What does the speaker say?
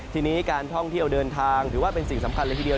ทีนี้การท่องเที่ยวเดินทางถือว่าเป็นสิ่งสำคัญเลยทีเดียว